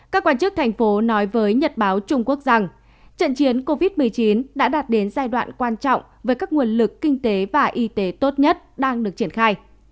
các quan chức thành phố nói với nhật báo trung quốc rằng trận chiến covid một mươi chín đã đạt đến giai đoạn quan trọng với các nguồn lực kinh tế và y tế tốt nhất đang được triển khai